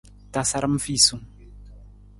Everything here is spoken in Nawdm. Tasaram fiisung.